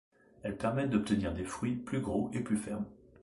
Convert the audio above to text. Elles permettent d'obtenir des fruits plus gros et plus fermes.